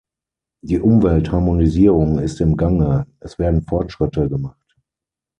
Die Umweltharmonisierung ist im Gange, es werden Fortschritte gemacht.